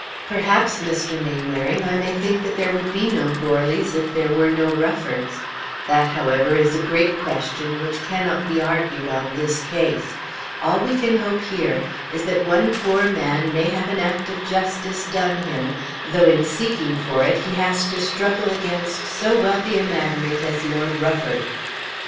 "Perhaps, Mr. Mainwaring, I may think that there would be no Goarlys if there were no Ruffords. That, however, is a great question which cannot be argued on this case. All we can hope here is that one poor man may have an act of justice done him though in seeking for it he has to struggle against so wealthy a magnate as Lord Rufford."